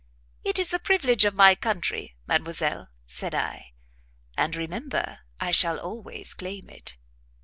"It is the privilege of my country, Mademoiselle," said I; "and, remember, I shall always claim it."